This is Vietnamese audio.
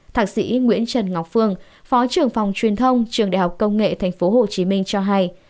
thạc sĩ nguyễn trần ngọc phương phó trưởng phòng truyền thông trường đại học công nghệ tp hcm cho hay